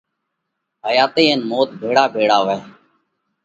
حياتئِي ان موت ڀيۯا ڀيۯا وئه۔